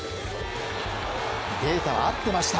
データ、合ってました。